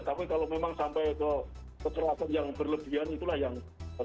tapi kalau memang sampai ke kecerdasan yang berlebihan itulah yang saya pikir